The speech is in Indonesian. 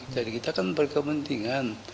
jadi kita kan berkementingan